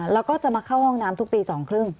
แล้วก็จะมาเข้าห้องน้ำทุกตี๒๓๐